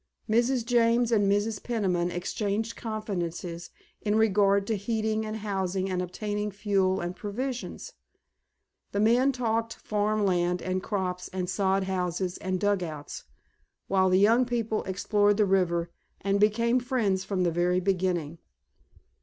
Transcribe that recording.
Mrs. James and Mrs. Peniman exchanged confidences in regard to heating and housing and obtaining fuel and provisions, the men talked farm land and crops and sod houses and dugouts, while the young people explored the river and became friends from the very beginning.